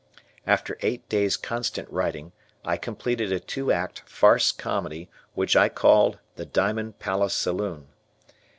After eight days' constant writing I completed a two act farce comedy which I called The Diamond Palace Saloon.